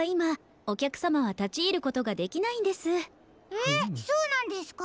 えっそうなんですか？